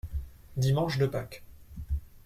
Dimanche de Pâques.